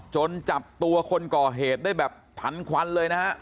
จับตัวคนก่อเหตุได้แบบทันควันเลยนะฮะ